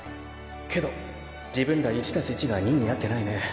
けど自分ら１足す１が２になってないね。